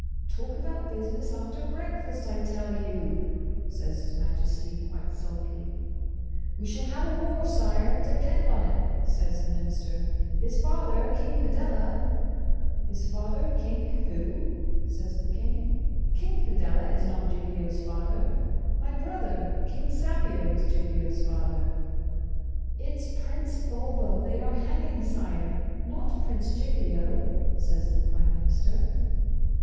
'Talk about business after breakfast, I tell you!' says His Majesty, quite sulky. 'We shall have a war, Sire, depend on it,' says the Minister. 'His father, King Padella. ..' 'His father, King WHO?' says the King. 'King Padella is not Giglio's father. My brother, King Savio, was Giglio's father.' 'It's Prince Bulbo they are hanging, Sire, not Prince Giglio,' says the Prime Minister.